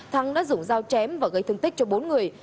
thắng đã dùng dao chém và gây thương tích cho bốn người